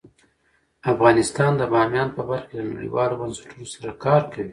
افغانستان د بامیان په برخه کې له نړیوالو بنسټونو سره کار کوي.